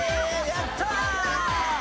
やった！